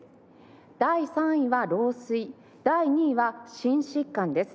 第３位は老衰第２位は心疾患です。